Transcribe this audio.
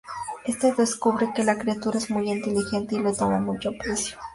Éste descubre que la criatura es muy inteligente y le toma mucho aprecio.